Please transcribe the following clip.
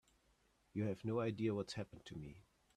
You have no idea what's happened to me.